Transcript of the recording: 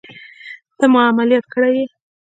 ته ما عمليات کړى يې.